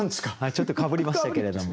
ちょっとかぶりましたけれども。